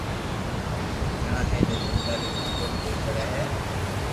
گھِڙا ھي جي جملئ ري خبر ڪوئي پڙي ھي